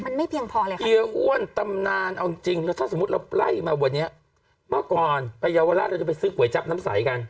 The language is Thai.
มันไม่เพียงพอเลยค่ะเฮียอ้วนตำนานเอาจริงแล้วถ้าสมมุติเราไล่มาวันนี้เมื่อก่อนไปเยาวราชเราจะไปซื้อก๋วยจับน้ำใสกัน